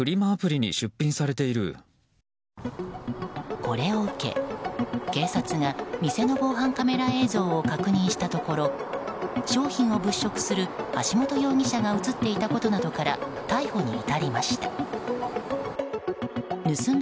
これを受け警察が店の防犯カメラ映像を確認したところ商品を物色する橋本容疑者が映っていたことなどから逮捕に至りました。